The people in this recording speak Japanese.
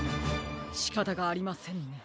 しかたがありませんね。